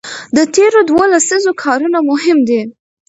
د تېرو دوو لسیزو کارونه مهم دي.